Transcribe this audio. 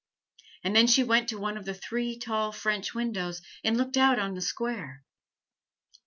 And then she went to one of the three tall French windows and looked out on the square.